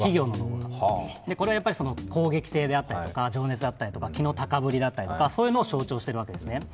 これはやっぱり攻撃性であったり情熱性だったり気の高ぶりだったりとかそういうのを象徴しているわけですね。